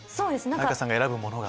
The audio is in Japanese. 愛花さんが選ぶものが。